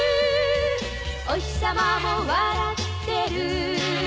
「おひさまも笑ってる」